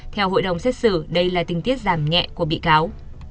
theo hội đồng xét xử đây là tình tiết giảm nhẹ của bị cáo